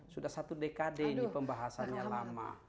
sudah satu dekade ini pembahasannya lama